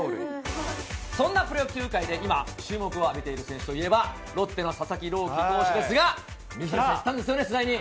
そんなプロ野球界で、今、注目を浴びている選手といえば、ロッテの佐々木朗希投手ですが、水谷さん、行ったんですよね、取材に。